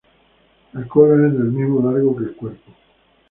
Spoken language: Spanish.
La cola es del mismo largo que el cuerpo.